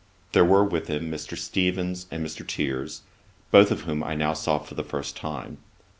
There were with him, Mr. Steevens and Mr. Tyers, both of whom I now saw for the first time.